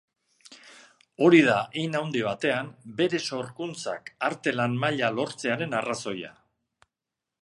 Hori da, hein handi batean, bere sorkuntzak artelan maila lortzearen arrazoia.